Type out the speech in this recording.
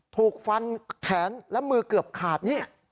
ถูกฟันแขนและมือเกือบขาดนี่